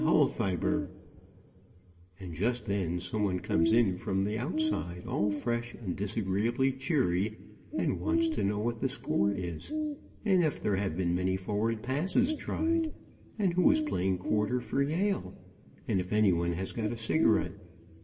HULL FIBER.." And just then some one comes in from the outside, all fresh and disagreeably cheery, and wants to know what the score is and if there have been many forward passes tried and who is playing quarter for Yale, and if any one has got a cigarette.